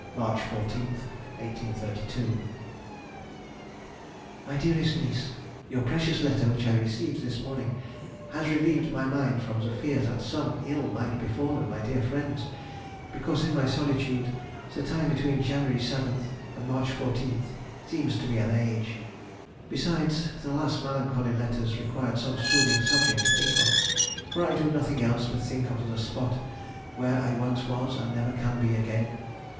_] MISS HERSCHEL TO LADY HERSCHEL. HANOVER, March 14, 1832. MY DEAREST NIECE,— Your precious letter, which I received this morning, has relieved my mind from the fear that some ill might have befallen my dear friends, because in my solitude the time between January 7th and March 14th, seems to be an age; besides, the last melancholy letters required some soothing subject to think on, for I do nothing else but think of the spot where I once was and never can be again.